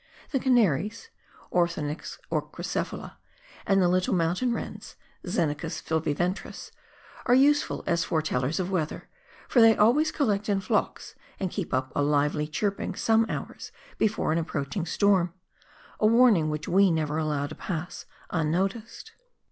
The canaries {Orthonyx ochrocephala) and the little mountain wrens {Xenicus filcwentris) are useful as foretellers of weather, for they always collect in flocks, and keep up a lively chirping, some hours before an approaching storm, a warning which we never allow to pass unnoticed.